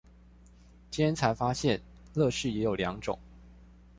今天才發現樂事也有兩種